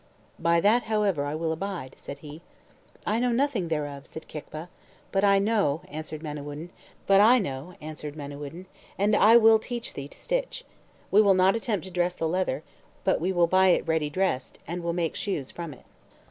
"By that however will I abide," said he. "I know nothing thereof," said Kicva. "But I know," answered Manawyddan, "and I will teach thee to stitch. We will not attempt to dress the leather, but we will buy it ready dressed, and will make the shoes from it."